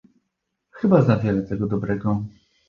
Chyba za wiele tego dobrego